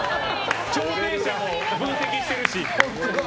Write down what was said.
挑戦者も分析してるし。